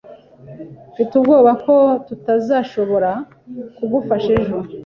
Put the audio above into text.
Mfite ubwoba ko tutazashobora kugufasha ejo.